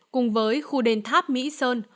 cùng với khu đền tháp mỹ sơn